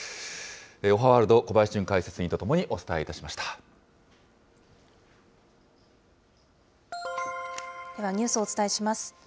おはワールド、小林解説委員ととでは、ニュースをお伝えします。